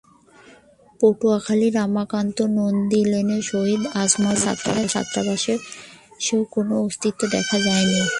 পাটুয়াটুলীর রমাকান্ত নন্দী লেনে শহীদ আজমল হোসেন ছাত্রাবাসেরও কোনো অস্তিত্ব দেখা যায়নি।